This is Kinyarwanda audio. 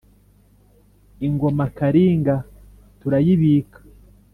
ingoma kalinga turayibika